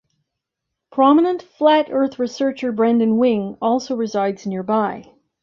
Prominent Flat Earth researcher Brendan Wing also resides nearby.